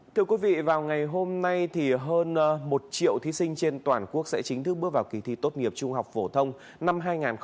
thưa quý vị vào ngày hôm nay thì hơn một triệu thí sinh trên toàn quốc sẽ chính thức bước vào kỳ thi tốt nghiệp trung học phổ thông năm hai nghìn hai mươi